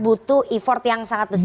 butuh effort yang sangat besar